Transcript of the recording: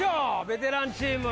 ベテランチーム